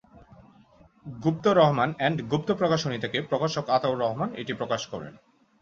গুপ্ত Rahman and Gupta প্রকাশনী থেকে প্রকাশক আতাউর রহমান এটি প্রকাশ করেন।